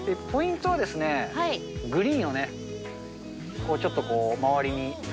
ポイントはですね、グリーンをね、ちょっと周りに。